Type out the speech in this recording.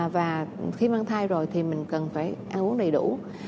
và khi mang thai rồi thì mình cần phải ăn uống đầy đủ